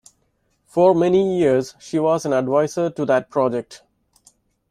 For many years, she was an adviser to that project.